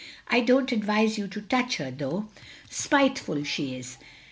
"I don't advise you to touch her, though. Spiteful, she is.